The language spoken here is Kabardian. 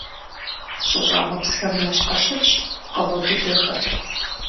ЩӀыщӀагъыпсхэм ящхьэщылъщ пкъыгъуэ быдэхэр.